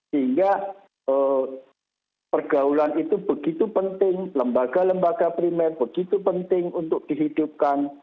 sehingga pergaulan itu begitu penting lembaga lembaga primer begitu penting untuk dihidupkan